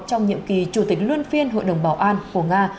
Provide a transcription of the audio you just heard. trong nhiệm kỳ chủ tịch luân phiên hội đồng bảo an của nga